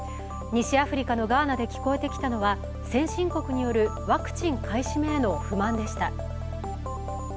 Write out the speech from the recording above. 西アフリカのガーナで聞こえてきたのは先進国によるワクチン買い占めへの不満でした。